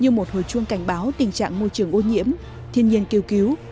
như một hồi chuông cảnh báo tình trạng môi trường ô nhiễm thiên nhiên kêu cứu